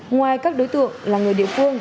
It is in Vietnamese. ngoài các đối tượng là người địa phương